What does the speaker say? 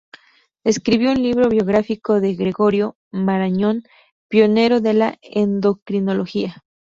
Escribió un libro biográfico de Gregorio Marañón pionero de la endocrinología.